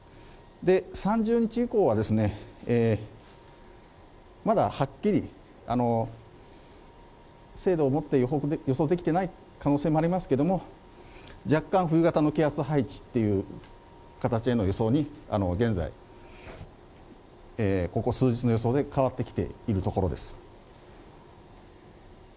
３０日以降は、まだはっきり精度をもって予想できていない可能性もありますけれども、若干冬型の気圧配置っていう形への予想に現在、ここ数日の予想で変わってきているところです。